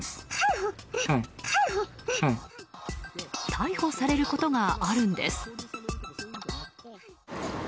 逮捕されることがあるんです。